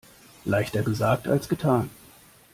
Leichter gesagt als getan.